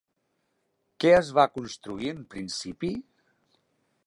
Què es va construir en principi?